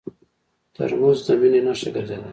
ترموز د مینې نښه ګرځېدلې.